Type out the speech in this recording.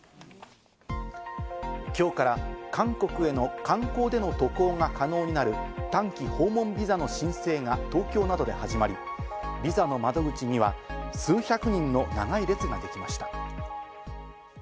今日から韓国への観光での渡航が可能になる短期訪問ビザの申請が東京などで始まり、ビザの窓口には数百人の長い列ができました。